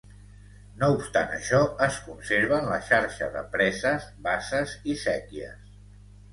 No obstant això es conserven la xarxa de preses, basses i séquies.